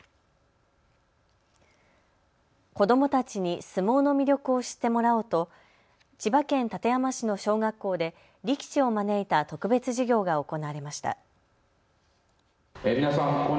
子どもたちに相撲の魅力を知ってもらおうと千葉県館山市の小学校で力士を招いた特別授業が行われました。